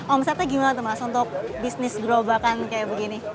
omsetnya gimana tuh mas untuk bisnis gerobakan kayak begini